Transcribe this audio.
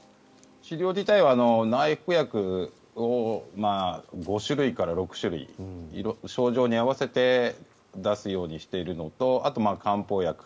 治療自体は内服薬を５種類から６種類症状に合わせて出すようにしているのとあと漢方薬。